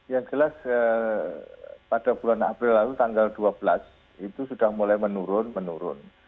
yang jelas pada bulan april lalu tanggal dua belas itu sudah mulai menurun menurun